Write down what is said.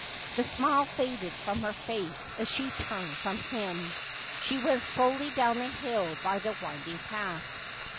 The smile faded from her face as she turned from him. She went slowly down the hill by the winding path.